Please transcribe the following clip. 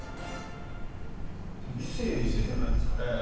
伊勢じゃないですかね？